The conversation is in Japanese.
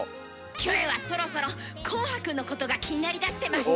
キョエはそろそろ「紅白」のことが気になりだしてます。